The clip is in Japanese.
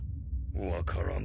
分からぬ。